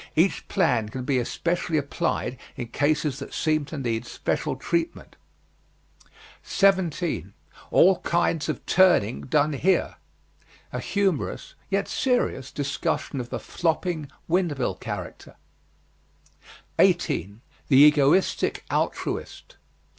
Each plan can be especially applied in cases that seem to need special treatment. 17. ALL KINDS OF TURNING DONE HERE. A humorous, yet serious, discussion of the flopping, wind mill character. 18. THE EGOISTIC ALTRUIST.